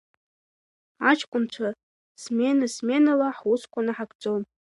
Аҷкәынцәа смена-сменала ҳусқәа наҳагӡон.